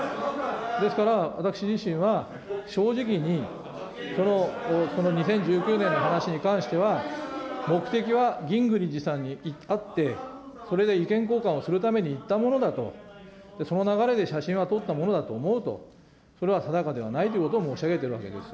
ですから、私自身は、正直にその２０１９年の話に関しては、目的はギングリッジさんに会って、それで意見交換をするために行ったものだと、その流れで写真は撮ったものだと思うと、それは定かではないということを申し上げてるわけです。